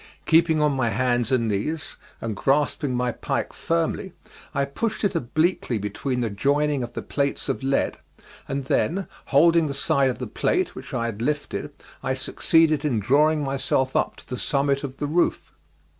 Keeping on my hands and knees, and grasping my pike firmly I pushed it obliquely between the joining of the plates of lead, and then holding the side of the plate which I had lifted I succeeded in drawing myself up to the summit of the roof.